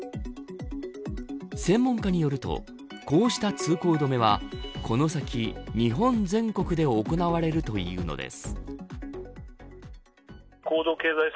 専門家によるとこうした通行止めはこの先、日本全国で行われるというのです。